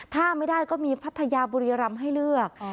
ถ้าไม่ได้ก็มีพัทยาบุรีรำให้เลือก